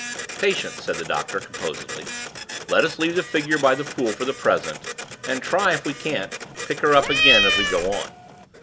"Patience," said the doctor, composedly. "Let us leave the figure by the pool for the present and try if we can't pick her up again as we go on.